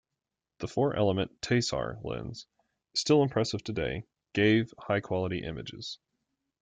The four-element Tessar lens, still impressive today, gave high-quality images.